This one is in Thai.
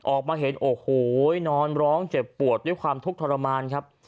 ออกมาเห็นโอ้โหนอนร้องเจ็บปวดด้วยความทุกข์ทรมานครับ